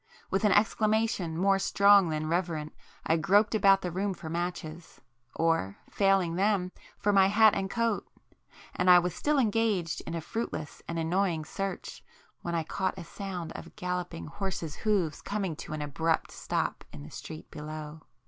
With an exclamation more strong than reverent, I groped about the room for matches, or failing them, for my hat and coat,—and I was still engaged in a fruitless and annoying search, when I caught a sound of galloping horses' hoofs coming to an abrupt stop in the street below.